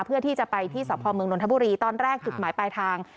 เพื่อที่จะไปที่สพเมืองนทบุรีตอนแรกจุดหมายปลายทาง